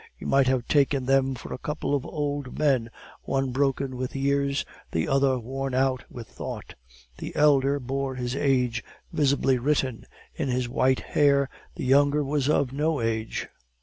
You might have taken them for a couple of old men, one broken with years, the other worn out with thought; the elder bore his age visibly written in his white hair, the younger was of no age.